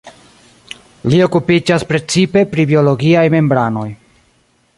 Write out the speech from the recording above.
Li okupiĝas precipe pri biologiaj membranoj.